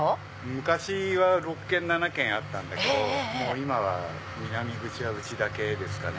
昔は６軒７軒あったんだけど今は南口はうちだけですかね。